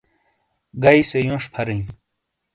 گیئ سے یونش پھَریئں۔